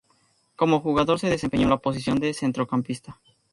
Como jugador, se desempeño en la posición de centrocampista.